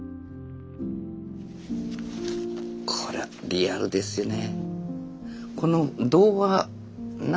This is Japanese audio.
これはリアルですよね。